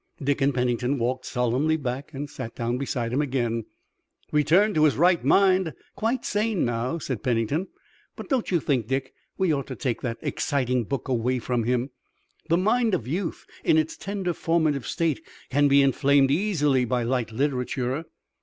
Dick and Pennington walked solemnly back and sat down beside him again. "Returned to his right mind. Quite sane now," said Pennington. "But don't you think, Dick, we ought to take that exciting book away from him? The mind of youth in its tender formative state can be inflamed easily by light literature."